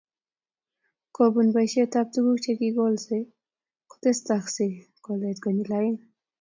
Kobun boisietab tuguk chekigolse kotesoksei kolet konyil oeng